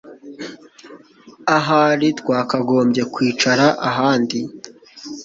Ahari twakagombye kwicara ahandi